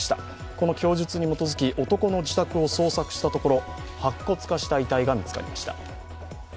この供述に基づき男の自宅を捜索したところ白骨化した遺体が見つかりました。